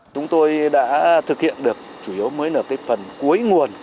chúng tôi đã thực hiện được chủ yếu mới nở cái phần cuối nguồn